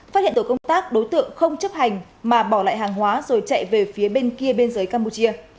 phát hiện tổ công tác đối tượng không chấp hành mà bỏ lại hàng hóa rồi chạy về phía bên kia biên giới campuchia